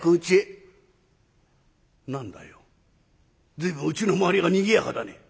随分うちの周りがにぎやかだね。